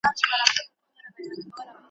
په قفس کي مي زړه شین دی له پردیو پسرلیو `